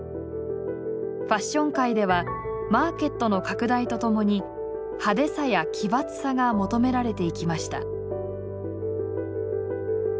ファッション界ではマーケットの拡大とともに派手さや奇抜さが求められていきました。